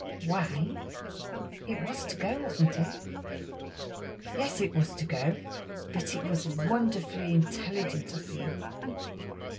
"Why, it was to go, wasn't it?" "Yes, it was to go, but it was wonderfully intelligent of you."